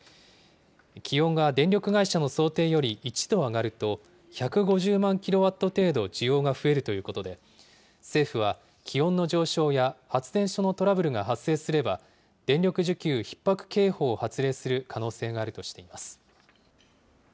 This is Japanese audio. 気温が電力会社の想定より１度上がると、１５０万キロワット程度需要が増えるということで、政府は気温の上昇や、発電所のトラブルが発生すれば、電力需給ひっ迫警報を発令する可能性があるとしています。